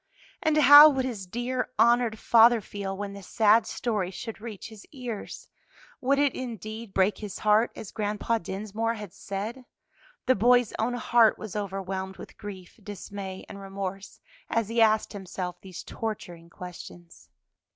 And how would his dear honored father feel when the sad story should reach his ears? would it indeed break his heart as Grandpa Dinsmore had said? The boy's own heart was overwhelmed with grief, dismay, and remorse as he asked himself these torturing questions.